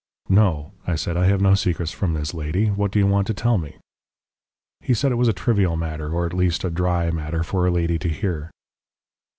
"'No,' I said. 'I have no secrets from this lady. What do you want to tell me?' "He said it was a trivial matter, or at least a dry matter, for a lady to hear.